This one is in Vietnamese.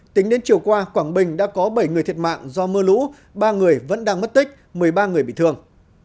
tính đến chiều qua quảng bình đã có bảy người thiệt mạng do mưa lũ ba người vẫn đang mất tích một mươi ba người bị thương